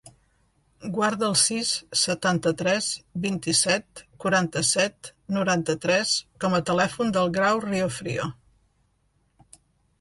Guarda el sis, setanta-tres, vint-i-set, quaranta-set, noranta-tres com a telèfon del Grau Riofrio.